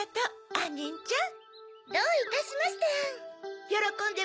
あんにんちゃん